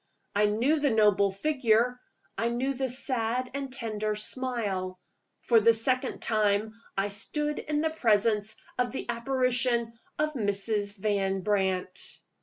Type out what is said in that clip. I knew the noble figure; I knew the sad and tender smile. For the second time I stood in the presence of the apparition of Mrs. Van Brandt.